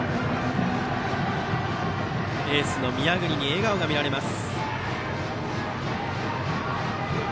エースの宮國に笑顔が見られます。